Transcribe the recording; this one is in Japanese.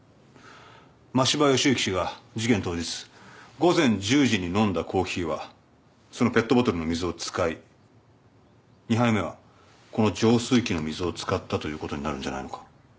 真柴義之氏が事件当日午前１０時に飲んだコーヒーはそのペットボトルの水を使い２杯目はこの浄水器の水を使ったということになるんじゃないのか？